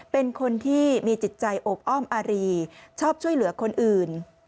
เป็นคนที่มีจิตใจโอบอ้อมอารีชอบช่วยเหลือคนอื่น